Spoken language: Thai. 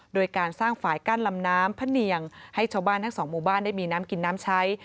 โดยการสร้างฝ่ายกั้นลำน้ำพะเนียงให้ชาวบ้านทั้งสองหมู่บ้านได้มีน้ำกินน้ำใช้